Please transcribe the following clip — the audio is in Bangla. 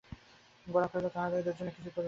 গোরা কহিল, তা হলে এদের জন্যে কিছুই করবে না?